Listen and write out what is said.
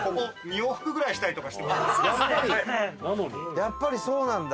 やっぱりそうなんだ。